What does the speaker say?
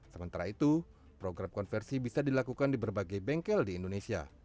sementara itu program konversi bisa dilakukan di berbagai bengkel di indonesia